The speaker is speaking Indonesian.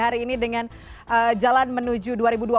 hari ini dengan jalan menuju dua ribu dua puluh